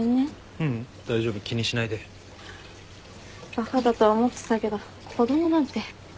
バカだとは思ってたけど子供なんて。